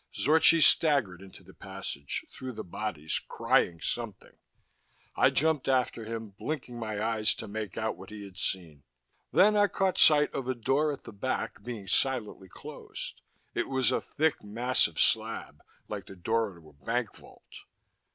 Zorchi staggered into the passage, through the bodies, crying something. I jumped after him, blinking my eyes to make out what he had seen. Then I caught sight of a door at the back being silently closed. It was a thick, massive slab, like the door to a bank vault.